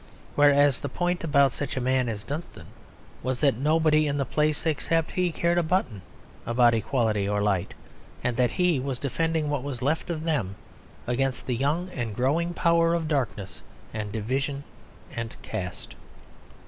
Whereas the point about such a man as Dunstan was that nobody in the place except he cared a button about equality or light: and that he was defending what was left of them against the young and growing power of darkness and division and caste.